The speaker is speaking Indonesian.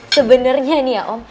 sebenernya nih ya om